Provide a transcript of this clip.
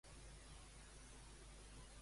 On ha estat invitat Dündar?